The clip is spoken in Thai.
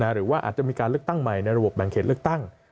หรือว่าอาจจะมีการเลือกตั้งใหม่ในระบบแบ่งเขตเลือกตั้ง